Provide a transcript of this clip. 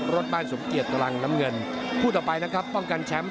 รถบ้านสมเกียจตรังน้ำเงินคู่ต่อไปนะครับป้องกันแชมป์